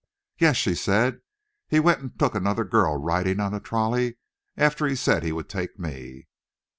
"Yes," she said, "he went and took another girl riding on the trolley, after he had said he would take me."